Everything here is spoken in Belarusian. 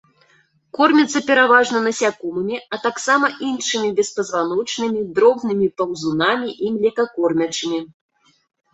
Корміцца пераважна насякомымі, а таксама іншымі беспазваночнымі, дробнымі паўзунамі і млекакормячымі.